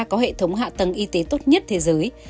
có hệ thống hạ tầng y tế tốt nhất thế giới